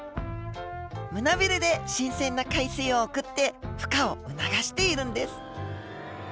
胸びれで新鮮な海水を送って孵化を促しているんです。